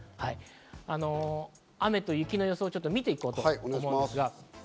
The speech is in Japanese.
雨で雪の予想を見て行こうと思います。